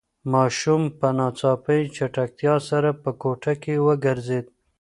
ماشوم په ناڅاپي چټکتیا سره په کوټه کې وگرځېد.